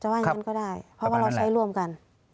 ว่าอย่างนั้นก็ได้เพราะว่าเราใช้ร่วมกัน